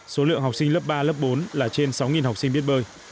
số lượng học sinh lớp ba lớp bốn là trên sáu học sinh biết bơi